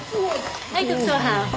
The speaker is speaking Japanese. はい特捜班。